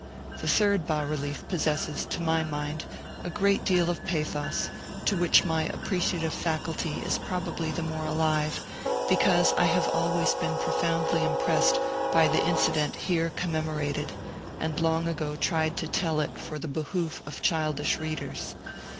The third bas relief possesses, to my mind, a great deal of pathos, to which my appreciative faculty is probably the more alive, because I have always been profoundly impressed by the incident here commemorated, and long ago tried to tell it for the behoof of childish readers.